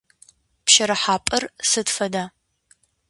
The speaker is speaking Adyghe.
Пщэрыхьапӏэр сыд фэда?